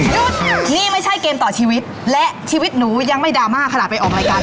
หยุดนี่ไม่ใช่เกมต่อชีวิตและชีวิตหนูยังไม่ดราม่าขนาดไปออกรายการ